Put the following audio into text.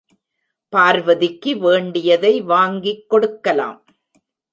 பார்வதிக்கு வேண்டியதை வாங்கிக் கொடுக்கலாம்.